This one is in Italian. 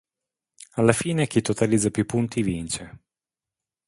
Alla fine chi totalizza più punti vince.